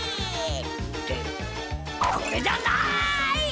ってこれじゃない！